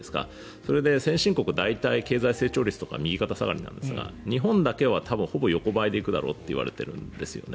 それで先進国、大体経済成長率は右肩下がりなんですが日本だけは多分ほぼ横ばいで行くだろうといわれているんですよね。